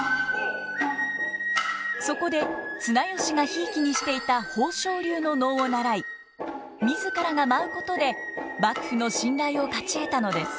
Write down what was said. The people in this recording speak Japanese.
そこで綱吉がひいきにしていた宝生流の能を習い自らが舞うことで幕府の信頼を勝ち得たのです。